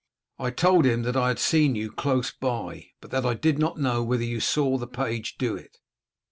I told him that I had seen you close by, but that I did not know whether you saw the page do it."